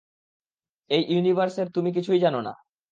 এই ইউনিভার্সের তুমি কিছুই জানো না!